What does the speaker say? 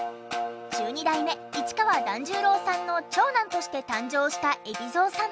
十二代目市川團十郎さんの長男として誕生した海老蔵さん。